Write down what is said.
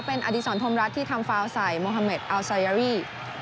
เป็นอดีศรพรมรัฐที่ทำฟาวใส่โมฮาเมดอัลไซเอรี่